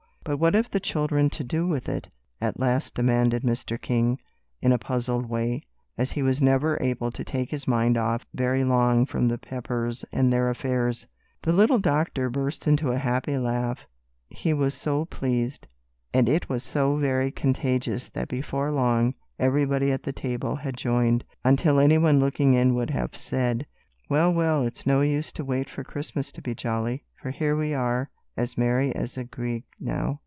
"But what have the children to do with it?" at last demanded Mr. King, in a puzzled way, as he was never able to take his mind off very long from the Peppers and their affairs. The little doctor burst into a happy laugh, he was so pleased, and it was so very contagious that before long everybody at the table had joined, until any one looking in would have said, "Well, well, it's no use to wait for Christmas to be jolly, for here we are merry as a grig now!"